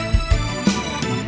kenapa tidak bisa